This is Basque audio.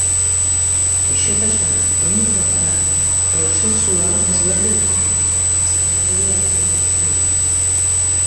Gaixotasuna kronikoa bada, prozesua ezberdina da, azken ondorioa berdina izanik.